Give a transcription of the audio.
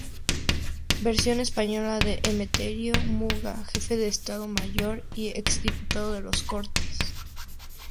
Versión española de Emeterio Muga, Jefe de Estado Mayor y Ex-Diputado de las Cortes.